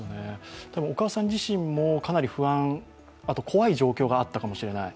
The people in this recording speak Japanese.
お母さん自身もかなり不安、あと怖い状況があったかもしれない。